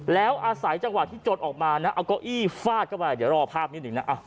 แล้วอาศัยจังหวะที่จนออกมานะเอาเก้าอี้ฟาดเข้าไปเดี๋ยวรอภาพนิดหนึ่งนะ